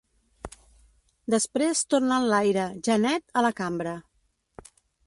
Després tornen l’aire, ja net, a la cambra.